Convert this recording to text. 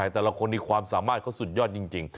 แต่ละคนในความสามารถเขาสุดยอดจริง